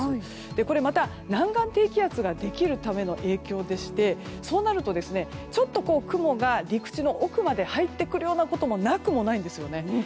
これは、また南岸低気圧ができるための影響でしてそうなると、ちょっと雲が陸地の奥まで入ってくるようなこともなくもないんですよね。